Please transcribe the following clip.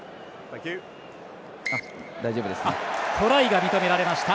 トライが認められました。